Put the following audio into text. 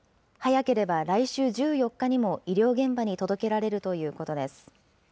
早ければ来週１４日にも医療現場に届けられるということです。